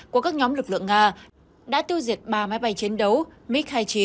của các nhóm lực lượng nga đã tiêu diệt ba máy bay chiến đấu mig hai mươi chín